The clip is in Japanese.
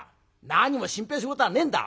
何も心配することはねえんだ。